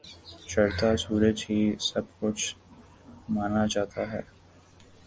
چڑھتا سورج ہی سب کچھ مانا جاتا ہے۔